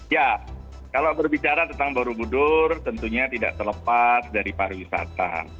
ya kalau berbicara tentang borobudur tentunya tidak terlepas dari pariwisata